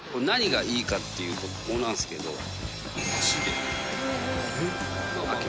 何がいいかっていうとここなんですけど。